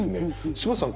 柴田さん